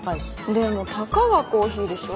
でもたかがコーヒーでしょ？